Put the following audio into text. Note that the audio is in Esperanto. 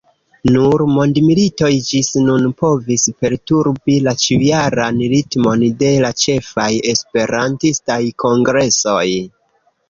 Nur mondmilitoj ĝis nun povis perturbi la ĉiujaran ritmon de la ĉefaj esperantistaj kongresoj.